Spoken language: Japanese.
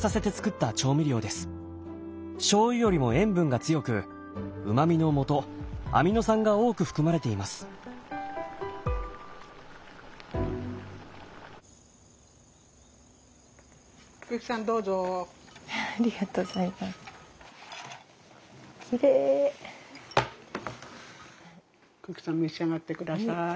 たくさん召し上がってください。